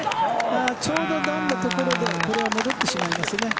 ちょうど段のところで戻ってしまいますね。